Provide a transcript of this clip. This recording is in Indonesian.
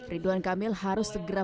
ridwan kamil harus segera